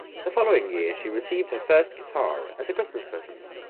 The following year she received her first guitar, as a Christmas present.